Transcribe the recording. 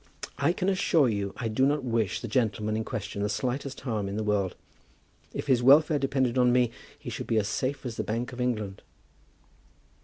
"I can assure you I do not wish the gentleman in question the slightest harm in the world. If his welfare depended on me, he should be as safe as the Bank of England."